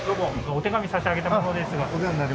お手紙差し上げた者ですが。